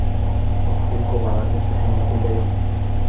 أختي الكبرى تستحم كل يوم.